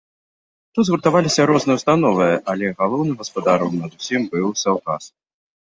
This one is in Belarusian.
Тут згуртаваліся розныя ўстановы, але галоўным гаспадаром над усім быў саўгас.